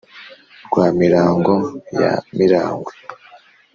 rwa mirango ya miragwe